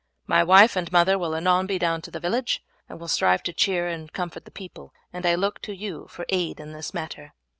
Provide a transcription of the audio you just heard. My wife and mother will anon be down in the village and will strive to cheer and comfort the people, and I look to you for aid in this matter."